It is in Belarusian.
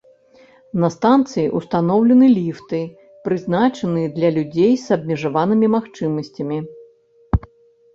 На станцыі ўстаноўлены ліфты, прызначаныя для людзей з абмежаванымі магчымасцямі.